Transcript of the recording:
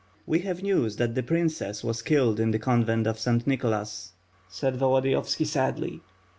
"We have news that the princess was killed in the Convent of St. Nicholas," said Volodiyovski sadly.